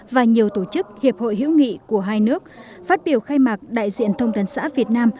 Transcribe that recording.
và nhiều tổ chức hiệp hội hữu nghị của hai nước phát biểu khai mạc đại diện thông tấn xã việt nam